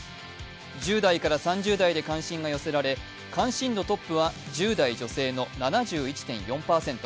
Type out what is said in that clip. １０代から３０代で関心が寄せられ関心度トップは１０代女性の７１．９％。